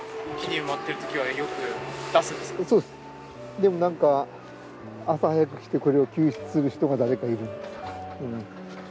でもなんか朝早く来てこれを救出する人が誰かいるんです。